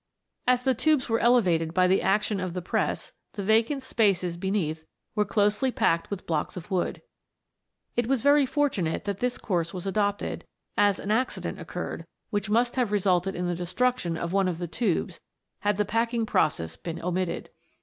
As the tubes were elevated by the action of the press the vacant spaces beneath were closely packed with blocks of wood. It was very fortunate that this course was adopted, as an accident occurred, which must have resulted in the destruction of one of the tubes had the packing process been omitted.